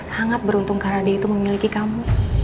sangat beruntung karena dia itu memiliki kamu